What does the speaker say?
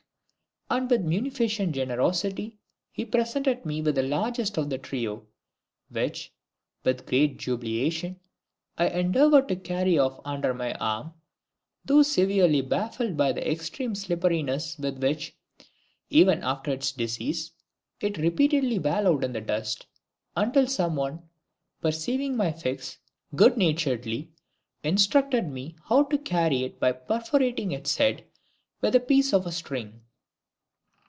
And with munificent generosity he presented me with the largest of the trio, which, with great jubilation, I endeavoured to carry off under my arm, though severely baffled by the extreme slipperiness with which (even after its decease) it repeatedly wallowed in dust, until someone, perceiving my fix, good naturedly instructed me how to carry it by perforating its head with a piece of string.